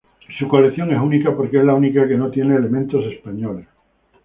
Su colección es única porque es la única que no tiene elementos españoles.